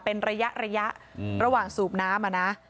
เป็นระยะระยะระหว่างสูบน้ำอ่ะนะ